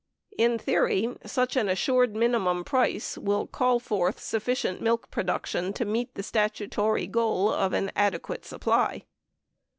In theory, such an assured minimum price will call forth sufficient milk production to meet the statutory goal of "an adequate supply."